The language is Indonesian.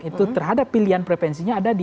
itu terhadap pilihan frevensinya ada di